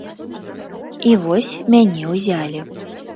І вось, мяне ўзялі.